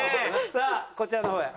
さあこちらの方へ。